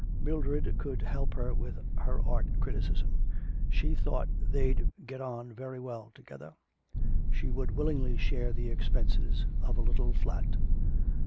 Mildred could help her with her art criticism.... She thought they'd get on very well together.... She would willingly share the expenses, of a little flat.